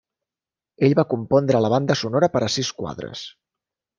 Ell va compondre la banda sonora per a sis quadres.